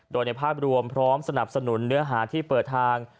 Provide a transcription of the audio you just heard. โดยในภาพรวมพร้อมสนับสนุนเนื้อหาที่เปิดทาง